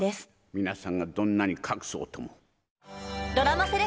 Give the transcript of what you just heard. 皆さんがどんなに隠そうとも。